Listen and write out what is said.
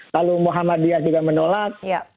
lalu muhammadiyah juga menolak